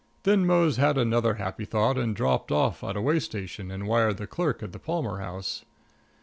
Then Mose had another happy thought, and dropped off at a way station and wired the clerk at the Palmer House.